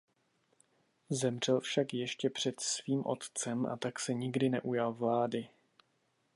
Zemřel však ještě před svým otcem a tak se nikdy neujal vlády.